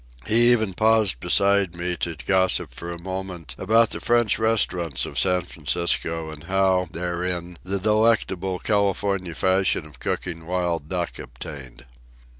He even paused beside me to gossip for a moment about the French restaurants of San Francisco and how, therein, the delectable California fashion of cooking wild duck obtained.